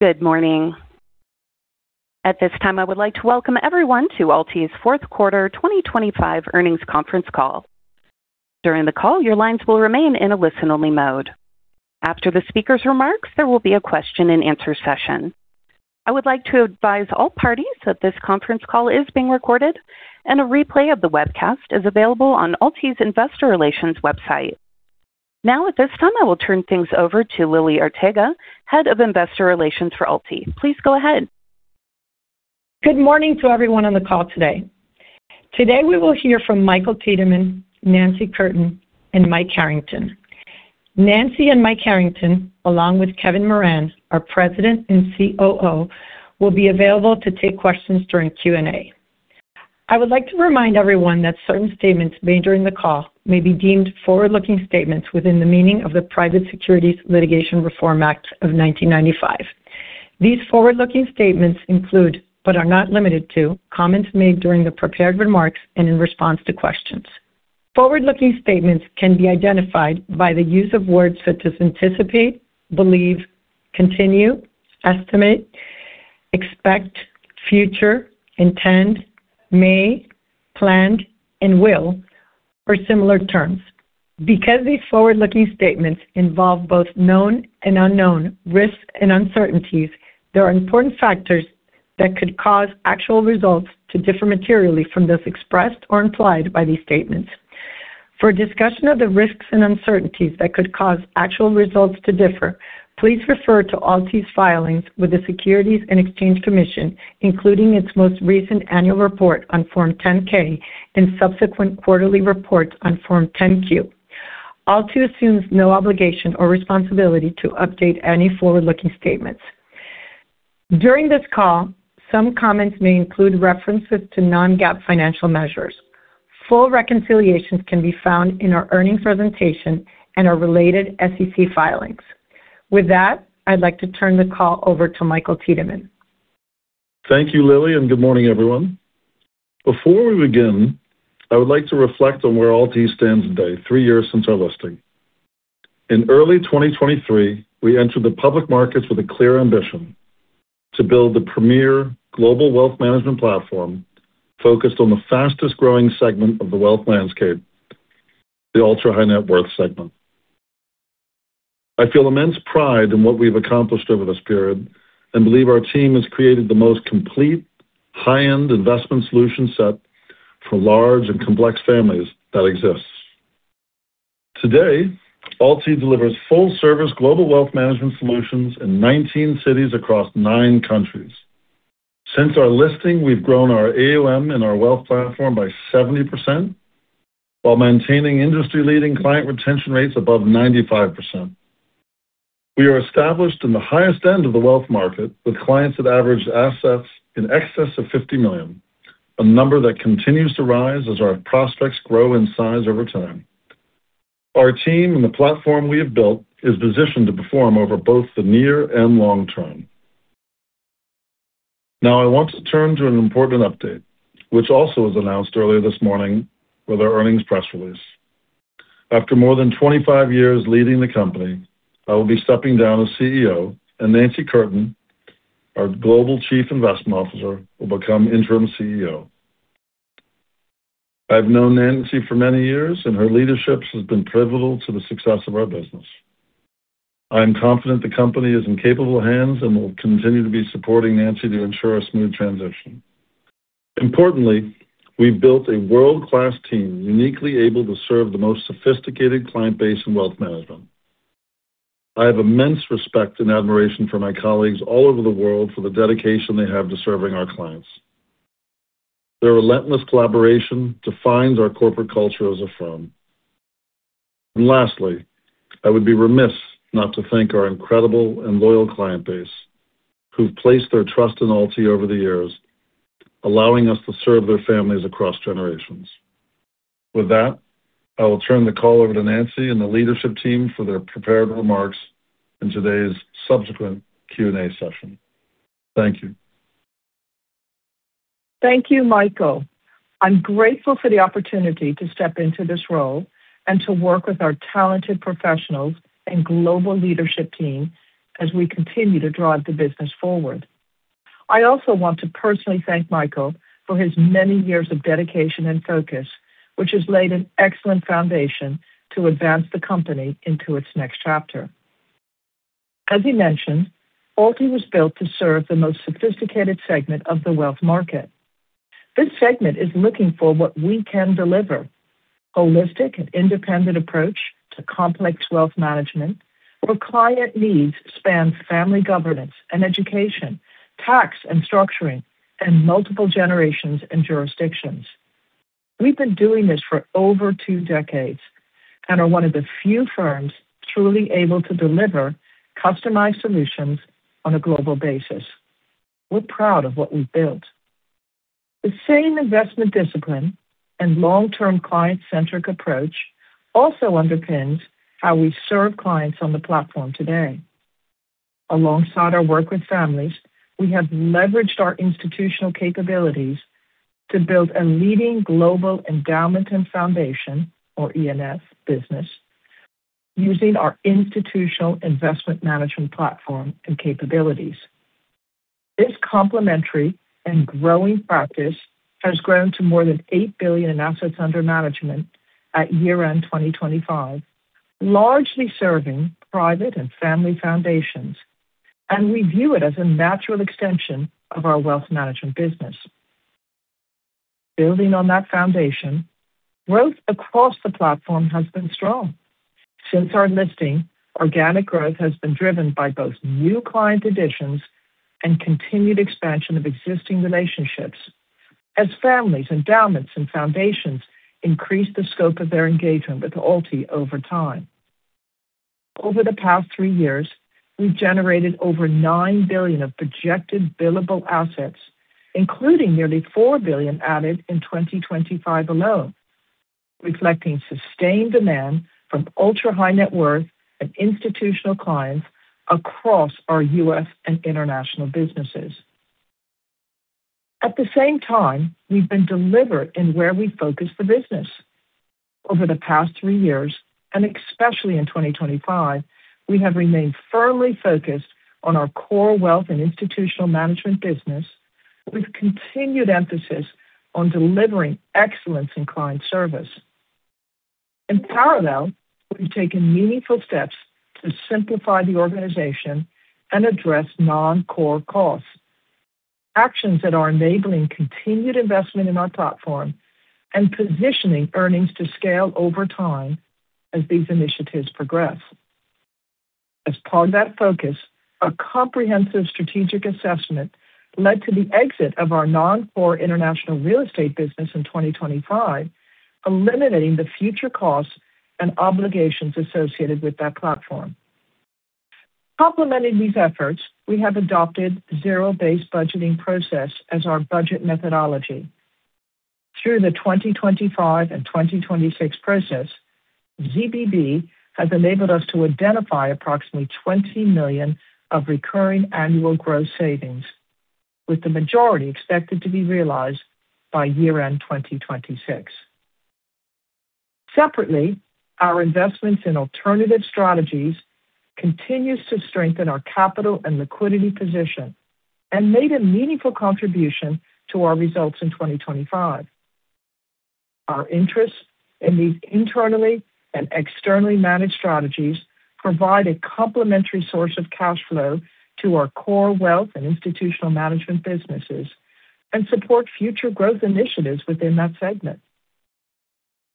Good morning. At this time, I would like to welcome everyone to AlTi's fourth quarter 2025 earnings conference call. During the call, your lines will remain in a listen-only mode. After the speaker's remarks, there will be a question-and-answer session. I would like to advise all parties that this conference call is being recorded, and a replay of the webcast is available on AlTi's investor relations website. Now, at this time, I will turn things over to Lily Arteaga, Head of Investor Relations for AlTi. Please go ahead. Good morning to everyone on the call today. Today, we will hear from Michael Tiedemann, Nancy Curtin, and Mike Harrington. Nancy and Mike Harrington, along with Kevin Moran, our President and COO, will be available to take questions during Q&A. I would like to remind everyone that certain statements made during the call may be deemed forward-looking statements within the meaning of the Private Securities Litigation Reform Act of 1995. These forward-looking statements include, but are not limited to, comments made during the prepared remarks and in response to questions. Forward-looking statements can be identified by the use of words such as anticipate, believe, continue, estimate, expect, future, intend, may, planned, and will, or similar terms. Because these forward-looking statements involve both known and unknown risks and uncertainties, there are important factors that could cause actual results to differ materially from those expressed or implied by these statements. For a discussion of the risks and uncertainties that could cause actual results to differ, please refer to AlTi's filings with the Securities and Exchange Commission, including its most recent annual report on Form 10-K and subsequent quarterly reports on Form 10-Q. AlTi assumes no obligation or responsibility to update any forward-looking statements. During this call, some comments may include references to non-GAAP financial measures. Full reconciliations can be found in our earnings presentation and our related SEC filings. With that, I'd like to turn the call over to Michael Tiedemann. Thank you, Lily, and good morning, everyone. Before we begin, I would like to reflect on where AlTi stands today, three years since our listing. In early 2023, we entered the public markets with a clear ambition: to build the premier global wealth management platform focused on the fastest-growing segment of the wealth landscape, the ultra-high net worth segment. I feel immense pride in what we've accomplished over this period and believe our team has created the most complete high-end investment solution set for large and complex families that exists. Today, AlTi delivers full-service global wealth management solutions in 19 cities across 9 countries. Since our listing, we've grown our AUM and our wealth platform by 70% while maintaining industry-leading client retention rates above 95%. We are established in the highest end of the wealth market, with clients that average assets in excess of $50 million, a number that continues to rise as our prospects grow in size over time. Our team and the platform we have built is positioned to perform over both the near and long term. Now, I want to turn to an important update, which also was announced earlier this morning with our earnings press release. After more than 25 years leading the company, I will be stepping down as CEO, and Nancy Curtin, our Global Chief Investment Officer, will become Interim CEO. I've known Nancy for many years, and her leadership has been pivotal to the success of our business. I am confident the company is in capable hands and will continue to be supporting Nancy to ensure a smooth transition. Importantly, we've built a world-class team uniquely able to serve the most sophisticated client base in wealth management. I have immense respect and admiration for my colleagues all over the world for the dedication they have to serving our clients. Their relentless collaboration defines our corporate culture as a firm. Lastly, I would be remiss not to thank our incredible and loyal client base who've placed their trust in AlTi over the years, allowing us to serve their families across generations. With that, I will turn the call over to Nancy and the leadership team for their prepared remarks in today's subsequent Q&A session. Thank you. Thank you, Michael. I'm grateful for the opportunity to step into this role and to work with our talented professionals and global leadership team as we continue to drive the business forward. I also want to personally thank Michael for his many years of dedication and focus, which has laid an excellent foundation to advance the company into its next chapter. As he mentioned, AlTi was built to serve the most sophisticated segment of the wealth market. This segment is looking for what we can deliver, holistic and independent approach to complex wealth management, where client needs span family governance and education, tax and structuring, and multiple generations and jurisdictions. We've been doing this for over two decades and are one of the few firms truly able to deliver customized solutions on a global basis. We're proud of what we've built. The same investment discipline and long-term client-centric approach also underpins how we serve clients on the platform today. Alongside our work with families, we have leveraged our institutional capabilities to build a leading global endowment and foundation, or E&F business, using our institutional investment management platform and capabilities. This complementary and growing practice has grown to more than $8 billion in assets under management at year-end 2025, largely serving private and family foundations, and we view it as a natural extension of our wealth management business. Building on that foundation, growth across the platform has been strong. Since our listing, organic growth has been driven by both new client additions and continued expansion of existing relationships as families, endowments, and foundations increase the scope of their engagement with AlTi over time. Over the past three years, we've generated over $9 billion of projected billable assets, including nearly $4 billion added in 2025 alone, reflecting sustained demand from ultra-high net worth and institutional clients across our U.S. and international businesses. At the same time, we've been deliberate in where we focus the business. Over the past three years, and especially in 2025, we have remained firmly focused on our core wealth and institutional management business with continued emphasis on delivering excellence in client service. In parallel, we've taken meaningful steps to simplify the organization and address non-core costs, actions that are enabling continued investment in our platform and positioning earnings to scale over time as these initiatives progress. As part of that focus, a comprehensive strategic assessment led to the exit of our non-core International Real Estate business in 2025, eliminating the future costs and obligations associated with that platform. Complementing these efforts, we have adopted zero-based budgeting process as our budget methodology. Through the 2025 and 2026 process, ZBB has enabled us to identify approximately $20 million of recurring annual gross savings, with the majority expected to be realized by year-end 2026. Separately, our investments in alternative strategies continues to strengthen our capital and liquidity position and made a meaningful contribution to our results in 2025. Our interests in these internally and externally managed strategies provide a complementary source of cash flow to our core wealth and institutional management businesses and support future growth initiatives within that segment.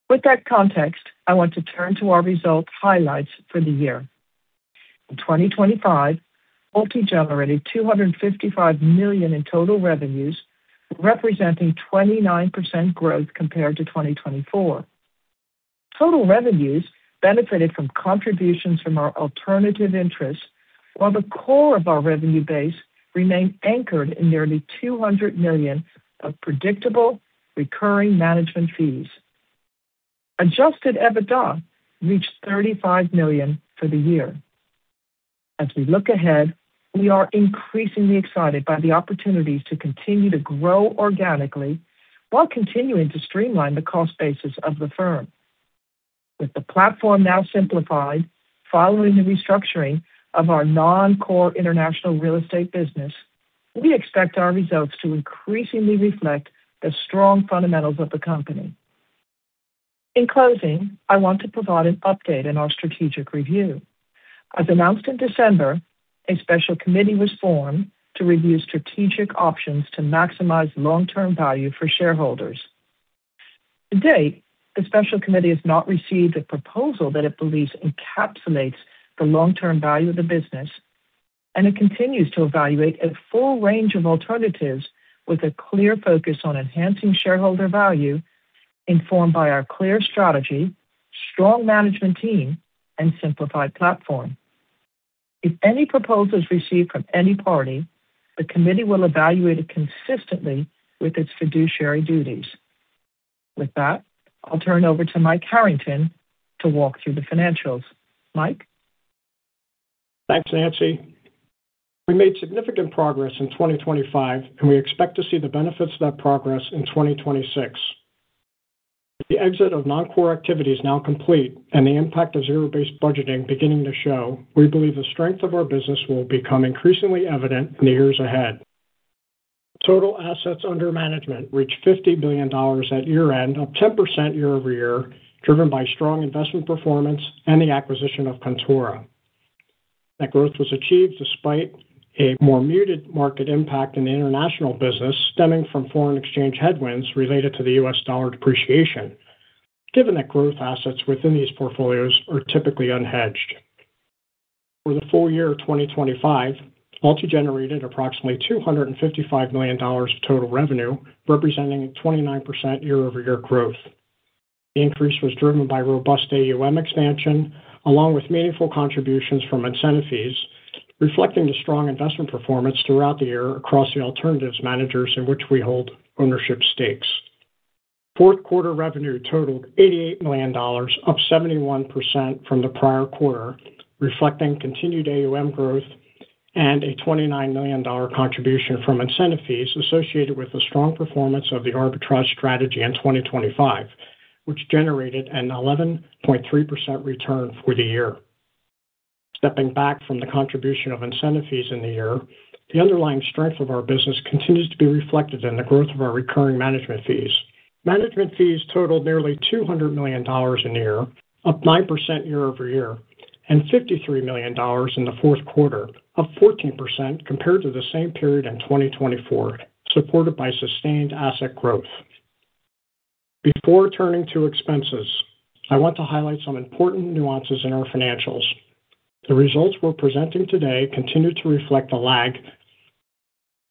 With that context, I want to turn to our result highlights for the year. In 2025, AlTi generated $255 million in total revenues, representing 29% growth compared to 2024. Total revenues benefited from contributions from our alternative interests, while the core of our revenue base remained anchored in nearly $200 million of predictable recurring management fees. Adjusted EBITDA reached $35 million for the year. As we look ahead, we are increasingly excited by the opportunities to continue to grow organically while continuing to streamline the cost basis of the firm. With the platform now simplified following the restructuring of our non-core International Real Estate business, we expect our results to increasingly reflect the strong fundamentals of the company. In closing, I want to provide an update on our strategic review. As announced in December, a special committee was formed to review strategic options to maximize long-term value for shareholders. To date, the special committee has not received a proposal that it believes encapsulates the long-term value of the business, and it continues to evaluate a full range of alternatives with a clear focus on enhancing shareholder value informed by our clear strategy, strong management team, and simplified platform. If any proposal is received from any party, the committee will evaluate it consistently with its fiduciary duties. With that, I'll turn over to Mike Harrington to walk through the financials. Mike? Thanks, Nancy. We made significant progress in 2025, and we expect to see the benefits of that progress in 2026. The exit of non-core activity is now complete, and the impact of zero-based budgeting is beginning to show. We believe the strength of our business will become increasingly evident in the years ahead. Total assets under management reached $50 billion at year-end, up 10% year-over-year, driven by strong investment performance and the acquisition of Kontora. That growth was achieved despite a more muted market impact in the international business stemming from foreign exchange headwinds related to the U.S. dollar depreciation, given that growth assets within these portfolios are typically unhedged. For the full year of 2025, AlTi generated approximately $255 million of total revenue, representing 29% year-over-year growth. The increase was driven by robust AUM expansion, along with meaningful contributions from incentive fees, reflecting the strong investment performance throughout the year across the alternatives managers in which we hold ownership stakes. Fourth quarter revenue totaled $88 million, up 71% from the prior quarter, reflecting continued AUM growth and a $29 million contribution from incentive fees associated with the strong performance of the arbitrage strategy in 2025, which generated an 11.3% return for the year. Stepping back from the contribution of incentive fees in the year, the underlying strength of our business continues to be reflected in the growth of our recurring management fees. Management fees totaled nearly $200 million in the year, up 9% year-over-year, and $53 million in the fourth quarter, up 14% compared to the same period in 2024, supported by sustained asset growth. Before turning to expenses, I want to highlight some important nuances in our financials. The results we're presenting today continue to reflect a lag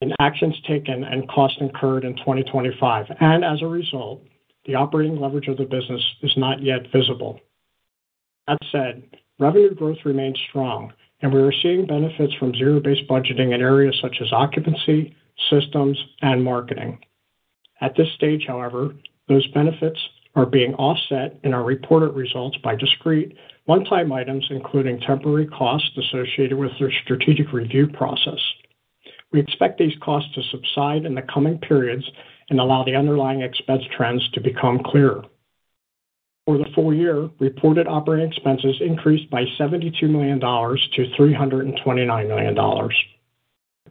in actions taken and costs incurred in 2025. As a result, the operating leverage of the business is not yet visible. That said, revenue growth remains strong and we are seeing benefits from zero-based budgeting in areas such as occupancy, systems, and marketing. At this stage, however, those benefits are being offset in our reported results by discrete one-time items, including temporary costs associated with the strategic review process. We expect these costs to subside in the coming periods and allow the underlying expense trends to become clearer. For the full year, reported operating expenses increased by $72 million to $329 million.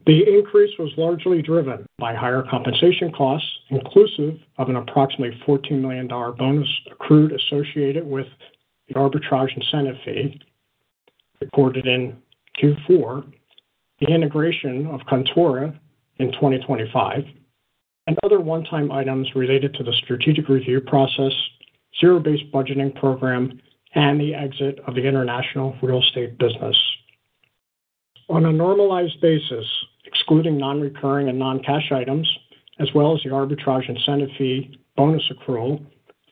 The increase was largely driven by higher compensation costs, inclusive of an approximately $14 million bonus accrued associated with the arbitrage incentive fee recorded in Q4, the integration of Kontora in 2025, and other one-time items related to the strategic review process, zero-based budgeting program, and the exit of the International Real Estate business. On a normalized basis, excluding non-recurring and non-cash items, as well as the arbitrage incentive fee bonus accrual,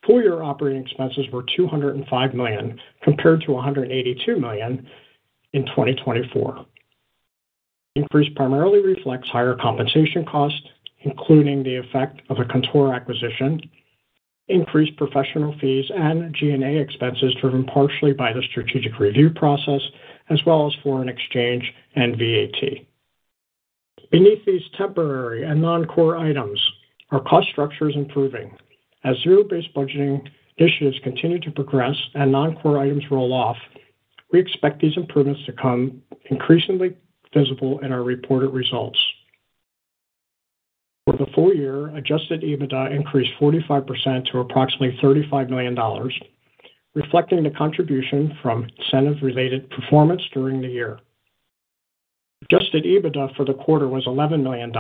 full year operating expenses were $205 million compared to $182 million in 2024. Increase primarily reflects higher compensation costs, including the effect of a Kontora acquisition, increased professional fees and G&A expenses driven partially by the strategic review process as well as foreign exchange and VAT. Beneath these temporary and non-core items, our cost structure is improving. As zero-based budgeting initiatives continue to progress and non-core items roll off, we expect these improvements to come increasingly visible in our reported results. For the full year, Adjusted EBITDA increased 45% to approximately $35 million, reflecting the contribution from incentive-related performance during the year. Adjusted EBITDA for the quarter was $11 million,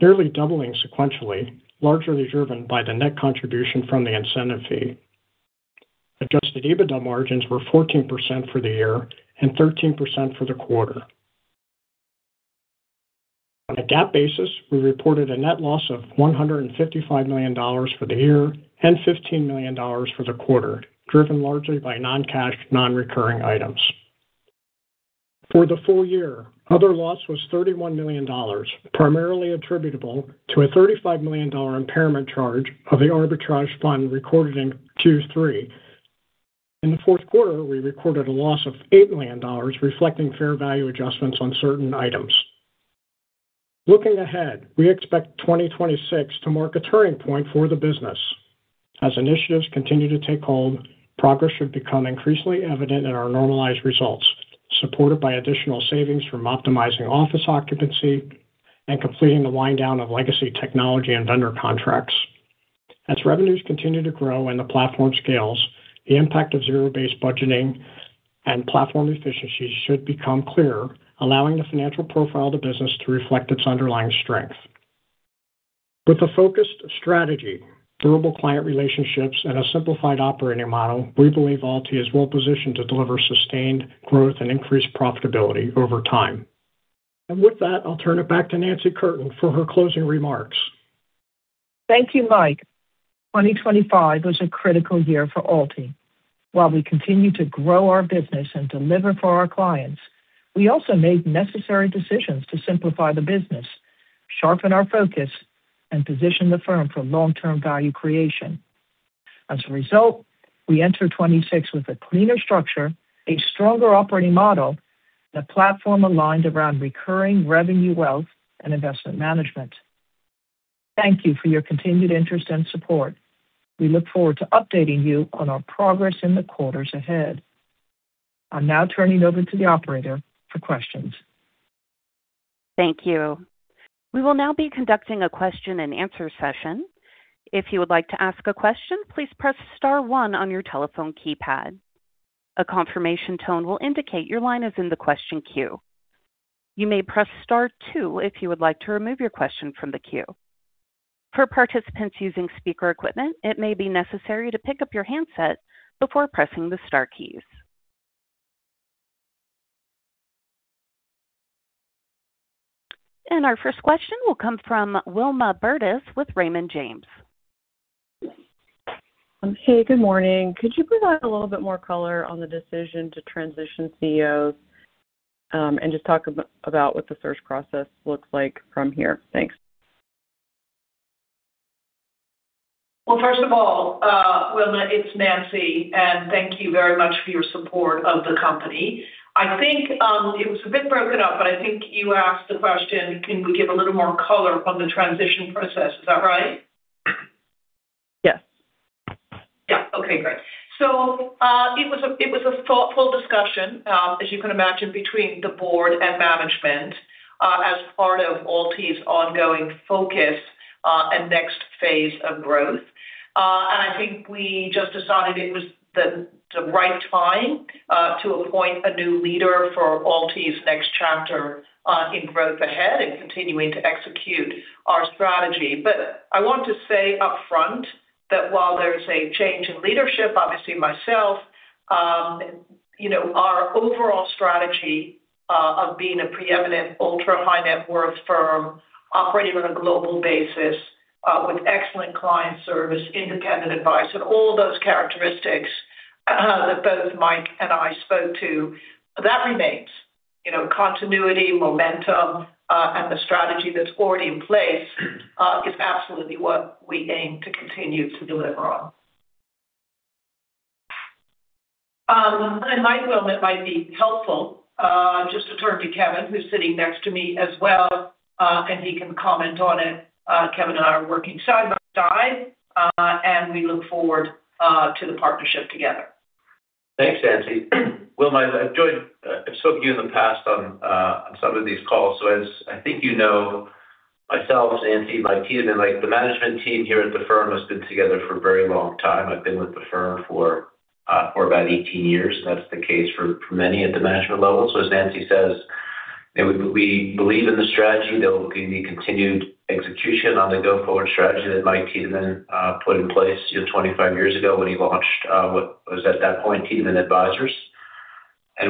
nearly doubling sequentially, largely driven by the net contribution from the incentive fee. Adjusted EBITDA margins were 14% for the year and 13% for the quarter. On a GAAP basis, we reported a net loss of $155 million for the year and $15 million for the quarter, driven largely by non-cash non-recurring items. For the full year, other loss was $31 million, primarily attributable to a $35 million impairment charge of the arbitrage fund recorded in Q3. In the fourth quarter, we recorded a loss of $8 million, reflecting fair value adjustments on certain items. Looking ahead, we expect 2026 to mark a turning point for the business. As initiatives continue to take hold, progress should become increasingly evident in our normalized results, supported by additional savings from optimizing office occupancy and completing the wind down of legacy technology and vendor contracts. As revenues continue to grow and the platform scales, the impact of zero-based budgeting and platform efficiencies should become clearer, allowing the financial profile of the business to reflect its underlying strength. With a focused strategy, durable client relationships, and a simplified operating model, we believe AlTi is well positioned to deliver sustained growth and increased profitability over time. With that, I'll turn it back to Nancy Curtin for her closing remarks. Thank you, Mike. 2025 was a critical year for AlTi. While we continue to grow our business and deliver for our clients, we also made necessary decisions to simplify the business, sharpen our focus, and position the firm for long-term value creation. As a result, we enter 2026 with a cleaner structure, a stronger operating model, and a platform aligned around recurring revenue wealth and investment management. Thank you for your continued interest and support. We look forward to updating you on our progress in the quarters ahead. I'm now turning it over to the operator for questions. Thank you. We will now be conducting a question and answer session. If you would like to ask a question, please press star one on your telephone keypad. A confirmation tone will indicate your line is in the question queue. You may press star two if you would like to remove your question from the queue. For participants using speaker equipment, it may be necessary to pick up your handset before pressing the star keys. Our first question will come from Wilma Burdis with Raymond James. Hey, good morning. Could you provide a little bit more color on the decision to transition CEOs, and just talk about what the search process looks like from here? Thanks. Well, first of all, Wilma, it's Nancy, and thank you very much for your support of the company. I think, it was a bit broken up, but I think you asked the question, can we give a little more color on the transition process? Is that right? Yes. Yeah. Okay, great. It was a thoughtful discussion, as you can imagine, between the board and management, as part of AlTi's ongoing focus, and next phase of growth. I think we just decided it was the right time to appoint a new leader for AlTi's next chapter, in growth ahead and continuing to execute our strategy. I want to say upfront that while there's a change in leadership, obviously myself, you know, our overall strategy, of being a preeminent ultra high net worth firm operating on a global basis, with excellent client service, independent advice, and all those characteristics, that both Mike and I spoke to, that remains. You know, continuity, momentum, and the strategy that's already in place is absolutely what we aim to continue to deliver on. Mike, Wilma might be helpful, just to turn to Kevin, who's sitting next to me as well, and he can comment on it. Kevin and I are working side by side, and we look forward to the partnership together. Thanks, Nancy. Wilma, I've spoken to you in the past on some of these calls. As I think you know, myself, Nancy, Michael Tiedemann, like, the management team here at the firm has been together for a very long time. I've been with the firm for about 18 years. That's the case for many at the management level. As Nancy says, we believe in the strategy. There will be continued execution on the go-forward strategy that Michael Tiedemann put in place, you know, 25 years ago when he launched what was at that point Tiedemann Advisors.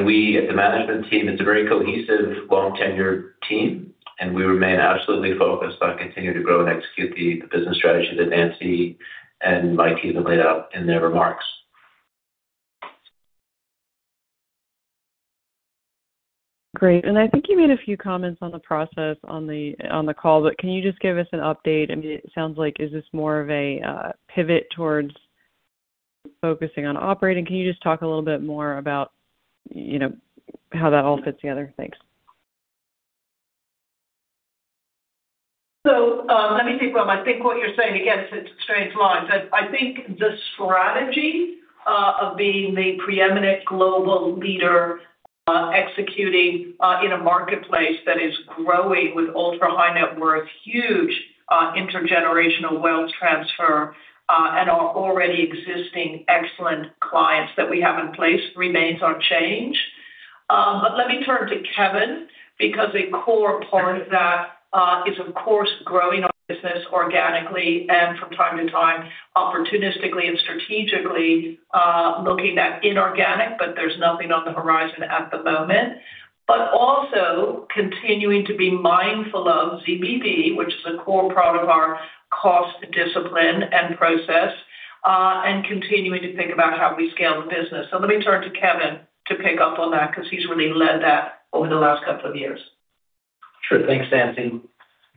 We at the management team, it's a very cohesive, long tenured team, and we remain absolutely focused on continuing to grow and execute the business strategy that Nancy and Michael Tiedemann laid out in their remarks. Great. I think you made a few comments on the process on the call, but can you just give us an update? I mean, it sounds like is this more of a pivot towards focusing on operating? Can you just talk a little bit more about, you know, how that all fits together? Thanks. Let me think, Wilma. I think what you're saying, again, it's strange times. I think the strategy of being the preeminent global leader executing in a marketplace that is growing with ultra-high net worth, huge intergenerational wealth transfer, and our already existing excellent clients that we have in place remains unchanged. Let me turn to Kevin because a core part of that is of course growing our business organically and from time to time, opportunistically and strategically looking at inorganic, but there's nothing on the horizon at the moment. Also continuing to be mindful of ZBB, which is a core part of our cost discipline and process, and continuing to think about how we scale the business. Let me turn to Kevin to pick up on that because he's really led that over the last couple of years. Sure. Thanks, Nancy.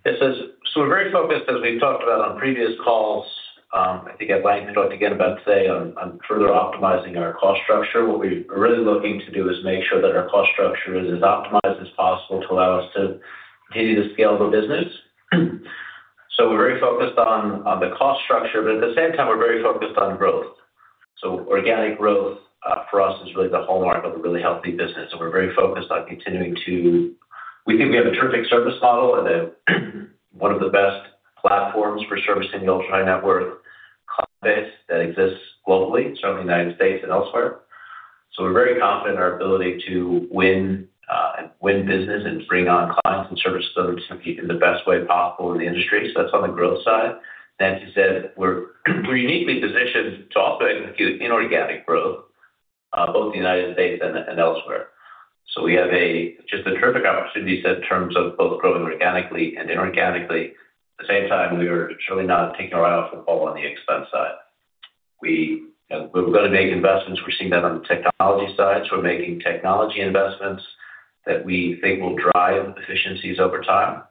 We're very focused, as we've talked about on previous calls, I think as Mike talked again about today on further optimizing our cost structure. What we're really looking to do is make sure that our cost structure is as optimized as possible to allow us to continue to scale the business. We're very focused on the cost structure, but at the same time we're very focused on growth. Organic growth for us is really the hallmark of a really healthy business, and we're very focused on continuing. We think we have a terrific service model and then one of the best platforms for servicing the ultra-high net worth client base that exists globally, certainly United States and elsewhere. We're very confident in our ability to win business and bring on clients and service those in the best way possible in the industry. That's on the growth side. Nancy said we're uniquely positioned to also execute inorganic growth, both in the United States and elsewhere. We have a just a terrific opportunity set in terms of both growing organically and inorganically. At the same time, we are surely not taking our eye off the ball on the expense side. We're gonna make investments. We're seeing that on the technology side. We're making technology investments that we think will drive efficiencies over time,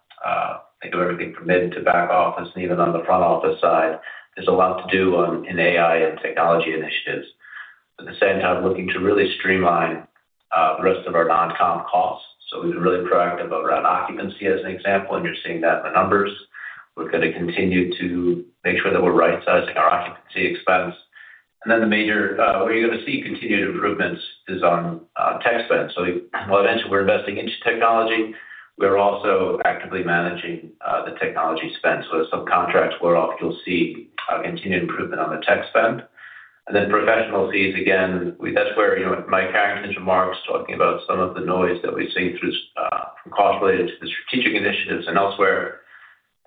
think of everything from mid to back office and even on the front office side, there's a lot to do in AI and technology initiatives. At the same time, looking to really streamline the rest of our non-comp costs. We've been really proactive around occupancy as an example, and you're seeing that in the numbers. We're gonna continue to make sure that we're right sizing our occupancy expense. Then the major where you're gonna see continued improvements is on tech spend. Eventually we're investing into technology. We're also actively managing the technology spend. As some contracts wear off, you'll see continued improvement on the tech spend. Professional fees, again, that's where, you know, Mike had his remarks talking about some of the noise that we've seen through from costs related to the strategic initiatives and elsewhere.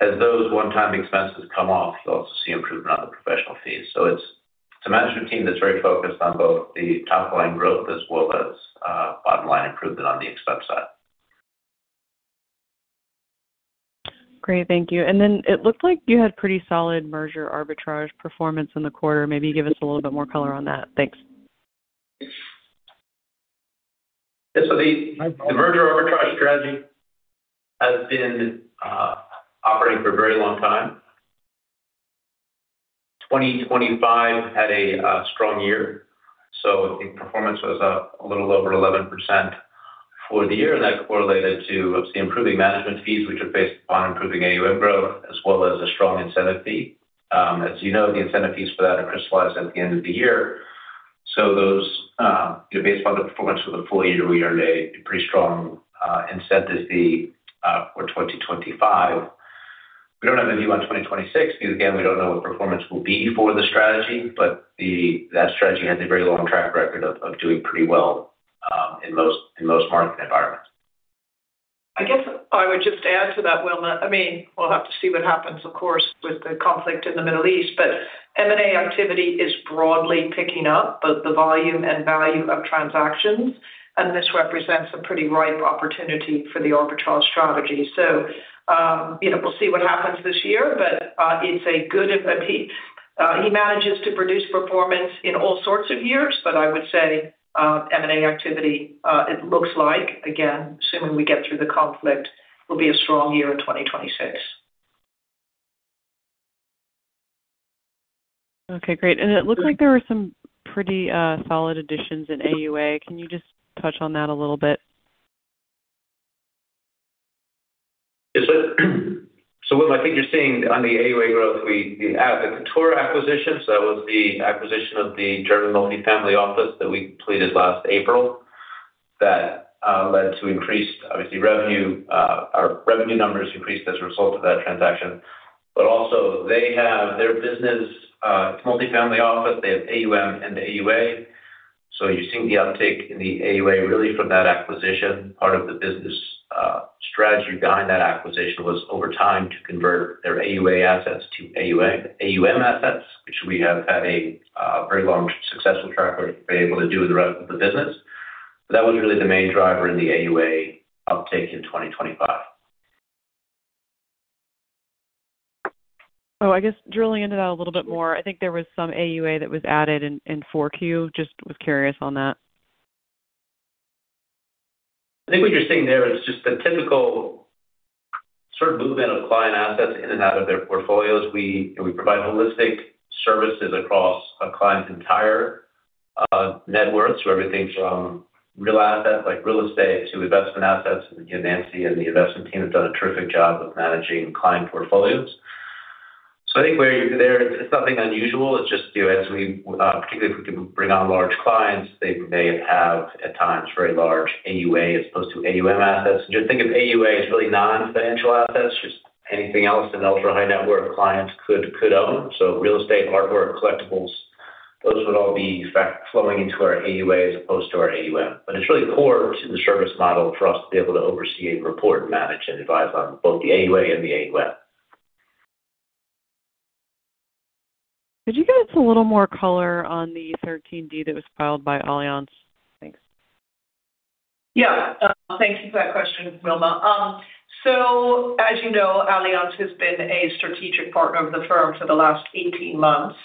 As those one-time expenses come off, you'll also see improvement on the professional fees. It's a management team that's very focused on both the top line growth as well as bottom line improvement on the expense side. Great. Thank you. It looked like you had pretty solid merger arbitrage performance in the quarter. Maybe give us a little bit more color on that. Thanks. The merger arbitrage strategy has been operating for a very long time. 2025 had a strong year, so I think performance was up a little over 11% for the year. That correlated to, obviously, improving management fees, which are based upon improving AUM growth, as well as a strong incentive fee. As you know, the incentive fees for that are crystallized at the end of the year. Those, you know, based upon the performance for the full year, we earned a pretty strong incentive fee for 2025. We don't have a view on 2026 because, again, we don't know what performance will be for the strategy. That strategy has a very long track record of doing pretty well in most market environments. I guess I would just add to that, Wilma. I mean, we'll have to see what happens, of course, with the conflict in the Middle East, but M&A activity is broadly picking up both the volume and value of transactions, and this represents a pretty ripe opportunity for the arbitrage strategy. You know, we'll see what happens this year, but it's a good indicator. He manages to produce performance in all sorts of years. I would say, M&A activity, it looks like again, assuming we get through the conflict, will be a strong year in 2026. Okay, great. It looked like there were some pretty solid additions in AUA. Can you just touch on that a little bit? Yes. What I think you're seeing on the AUA growth, you have the Kontora acquisition. That was the acquisition of the German multi-family office that we completed last April that led to increased, obviously, revenue. Our revenue numbers increased as a result of that transaction. But also they have their business, multi-family office. They have AUM and the AUA. You're seeing the uptick in the AUA really from that acquisition. Part of the business strategy behind that acquisition was over time to convert their AUA assets to AUM assets, which we have had a very long successful track record to be able to do with the rest of the business. That was really the main driver in the AUA uptake in 2025. I guess drilling into that a little bit more. I think there was some AUA that was added in Q4. I was just curious on that. I think what you're seeing there is just the typical sort of movement of client assets in and out of their portfolios. We, you know, we provide holistic services across a client's entire network. Everything from real assets like real estate to investment assets. Nancy and the investment team have done a terrific job of managing client portfolios. I think there's nothing unusual, it's just, you know, as we particularly if we can bring on large clients, they may have at times very large AUA as opposed to AUM assets. Just think of AUA as really non-financial assets, just anything else an ultra-high-net-worth client could own. Real estate, artwork, collectibles, those would all be flowing into our AUA as opposed to our AUM. It's really core to the service model for us to be able to oversee and report, manage and advise on both the AUA and the AUM. Could you give us a little more color on the 13D that was filed by Allianz? Thanks. Yeah. Thank you for that question, Wilma. So as you know, Allianz has been a strategic partner of the firm for the last 18 months,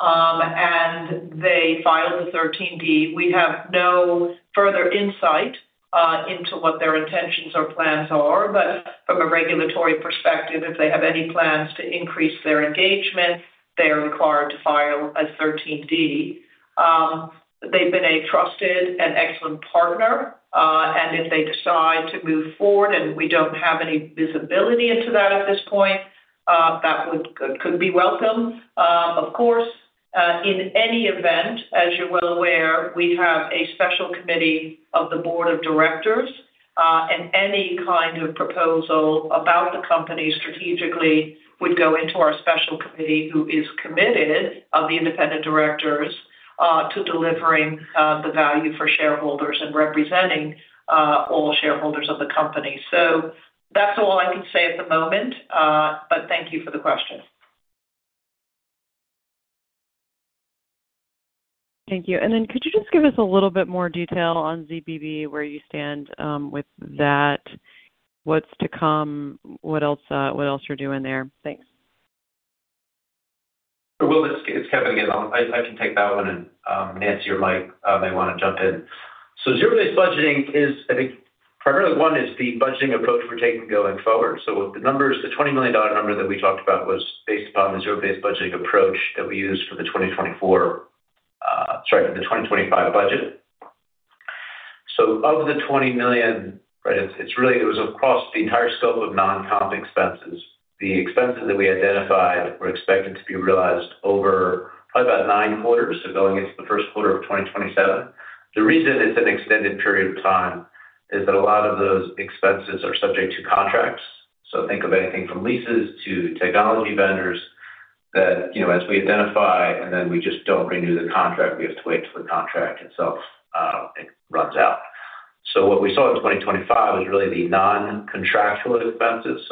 and they filed the 13D. We have no further insight into what their intentions or plans are. From a regulatory perspective, if they have any plans to increase their engagement, they are required to file a 13D. They've been a trusted and excellent partner, and if they decide to move forward and we don't have any visibility into that at this point, that could be welcome. Of course, in any event, as you're well aware, we have a special committee of the board of directors, and any kind of proposal about the company strategically would go into our special committee, who is comprised of the independent directors, to delivering the value for shareholders and representing all shareholders of the company. That's all I can say at the moment. Thank you for the question. Thank you. Then could you just give us a little bit more detail on ZBB, where you stand with that? What's to come? What else you're doing there? Thanks. Wilma, it's Kevin again. I can take that one and Nancy or Mike may want to jump in. Zero-based budgeting is, I think, primarily one, the budgeting approach we're taking going forward. The numbers, the $20 million number that we talked about was based upon the zero-based budgeting approach that we used for the 2024, for the 2025 budget. Of the $20 million, right, it's really it was across the entire scope of non-comp expenses. The expenses that we identified were expected to be realized over probably about 9 quarters, going into the first quarter of 2027. The reason it's an extended period of time is that a lot of those expenses are subject to contracts. Think of anything from leases to technology vendors that, you know, as we identify and then we just don't renew the contract, we have to wait till the contract itself, it runs out. What we saw in 2025 was really the non-contractual expenses.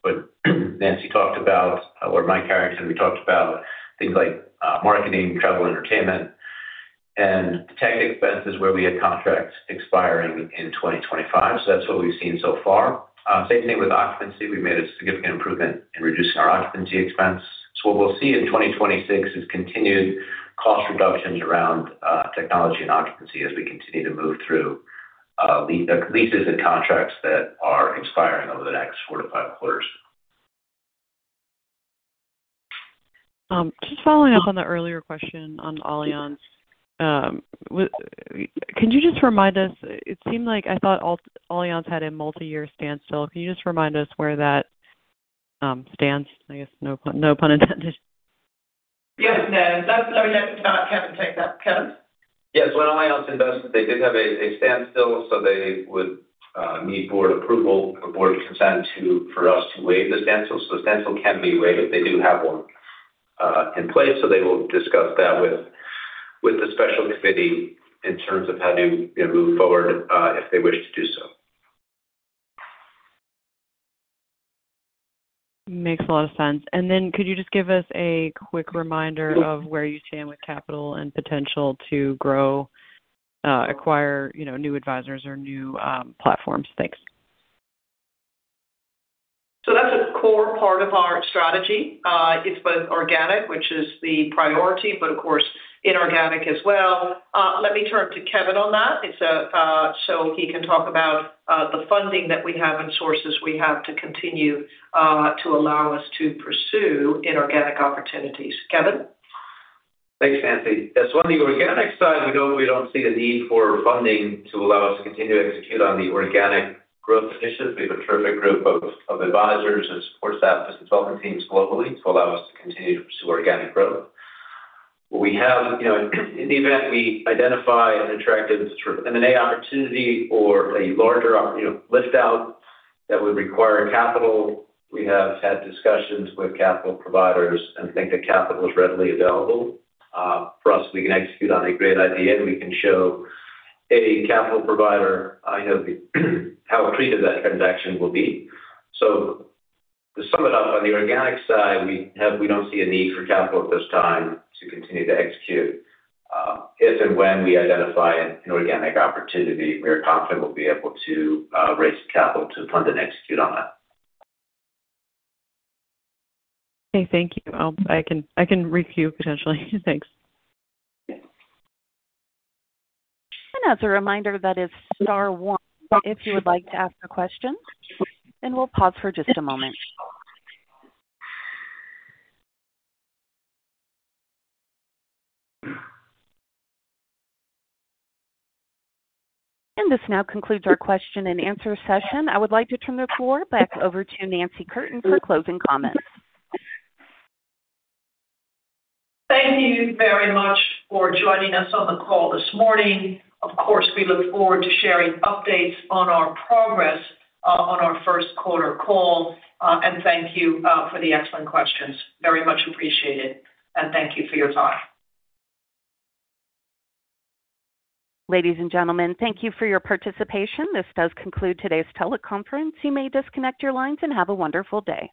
What Nancy talked about or Mike Harrington, we talked about things like, marketing, travel, entertainment, and tech expenses where we had contracts expire in 2025. That's what we've seen so far. Same thing with occupancy. We made a significant improvement in reducing our occupancy expense. What we'll see in 2026 is continued cost reductions around, technology and occupancy as we continue to move through, the leases and contracts that are expiring over the next 4-5 quarters. Just following up on the earlier question on Allianz. Could you just remind us? It seemed like I thought Allianz had a multi-year standstill. Can you just remind us where that stands? I guess, no pun intended. Yes. No, that's. I'll let Kevin take that. Kevin? Yes. Well, Allianz X, they did have a standstill, so they would need board approval or board consent for us to waive the standstill. So the standstill can be waived. They do have one in place, so they will discuss that with the special committee in terms of how to, you know, move forward, if they wish to do so. Makes a lot of sense. Could you just give us a quick reminder of where you stand with capital and potential to grow, acquire, you know, new advisors or new, platforms? Thanks. That's a core part of our strategy. It's both organic, which is the priority, but of course, inorganic as well. Let me turn to Kevin on that so he can talk about the funding that we have and sources we have to continue to allow us to pursue inorganic opportunities. Kevin? Thanks, Nancy. Yes, on the organic side, we don't see a need for funding to allow us to continue to execute on the organic growth initiatives. We have a terrific group of advisors and support staff and development teams globally to allow us to continue to pursue organic growth. We have, you know, in event we identify an attractive sort of M&A opportunity or a larger op you know, list out that would require capital, we have had discussions with capital providers and think that capital is readily available for us. We can execute on a great idea, and we can show a capital provider, you know, how accretive that transaction will be. To sum it up, on the organic side, we don't see a need for capital at this time to continue to execute. If and when we identify an inorganic opportunity, we are confident we'll be able to raise capital to fund and execute on that. Okay. Thank you. I can requeue potentially. Thanks. Yeah. As a reminder, that is star one if you would like to ask a question, and we'll pause for just a moment. This now concludes our question and answer session. I would like to turn the floor back over to Nancy Curtin for closing comments. Thank you very much for joining us on the call this morning. Of course, we look forward to sharing updates on our progress on our first quarter call. Thank you for the excellent questions. Very much appreciated, and thank you for your time. Ladies and gentlemen, thank you for your participation. This does conclude today's teleconference. You may disconnect your lines and have a wonderful day.